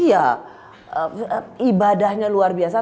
iya ibadahnya luar biasa